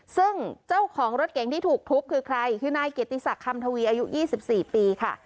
ซึ่งเจ้าของรถเก๋งที่ถูกทุบคือใครคือนายเกียรติศักดิ์คำทวีอายุ๒๔ปีค่ะ